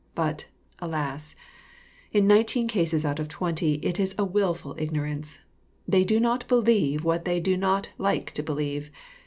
But, alas I in nineteen cdses out of twenty it is a wilful ignorance. They do not believe what they do not like to believe.